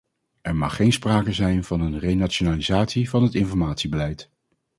Er mag geen sprake zijn van een renationalisatie van het informatiebeleid.